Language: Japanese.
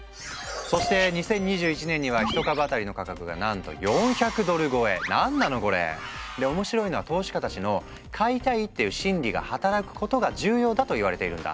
そして２０２１年にはなんなのこれ⁉で面白いのは投資家たちの「買いたい！」っていう心理が働くことが重要だといわれているんだ。